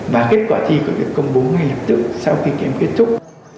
và kết quả thi có thể công bố ngày hợp tự sau khi kếm kết thúc